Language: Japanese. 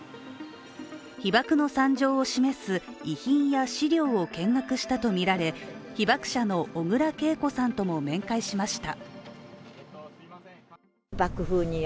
被爆の惨状を示す遺品や資料を見学したとみられ被爆者の小倉桂子さんとも面会しました。